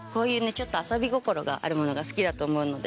ちょっと遊び心があるものが好きだと思うので。